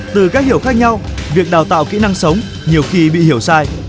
từ cách hiểu khác nhau việc đào tạo kỹ năng sống nhiều khi bị hiểu sai